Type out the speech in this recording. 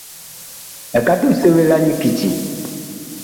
Ekato ɛ seɓe la nyi kiti ?